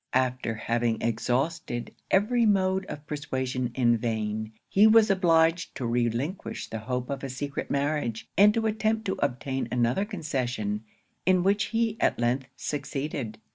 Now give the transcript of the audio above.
After having exhausted every mode of persuasion in vain, he was obliged to relinquish the hope of a secret marriage, and to attempt to obtain another concession, in which he at length succeeded.